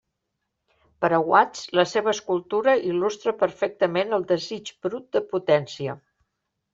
Per a Watts, la seva escultura il·lustra perfectament el desig brut de potència.